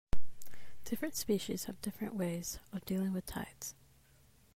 Different species have different ways of dealing with tides.